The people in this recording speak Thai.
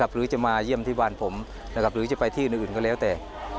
หรือจะมาเยี่ยมที่บ้านผมหรือจะไปที่อื่นก็แล้วแต่